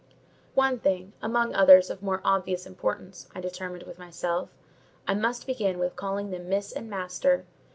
One thing, among others of more obvious importance, I determined with myself—I must begin with calling them Miss and Master.